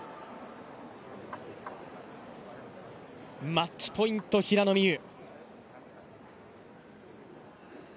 マッチポイント、平野美宇。